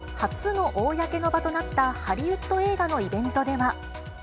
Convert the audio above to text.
結婚発表後初の公の場となった、ハリウッド映画のイベントでは。